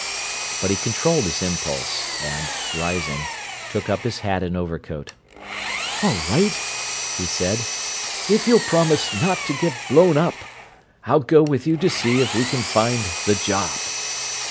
But he controlled his impulse; and, rising, took up his hat and overcoat. "All right," he said. "If you'll promise not to get blown up, I'll go with you to see if we can find the job."